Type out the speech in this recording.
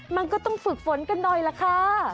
มันก็ต้องฝึกฝนกันหน่อยล่ะค่ะ